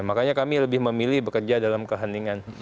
makanya kami lebih memilih bekerja dalam keheningan